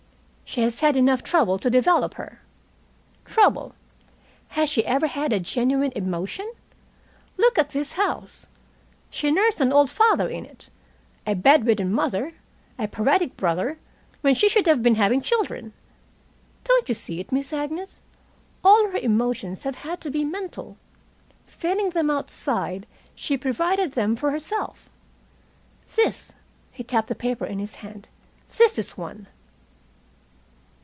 "She has had enough trouble to develop her." "Trouble! Has she ever had a genuine emotion? Look at this house. She nursed an old father in it, a bedridden mother, a paretic brother, when she should have been having children. Don't you see it, Miss Agnes? All her emotions have had to be mental. Failing them outside, she provided them for herself. This " he tapped the paper in his hand "this is one."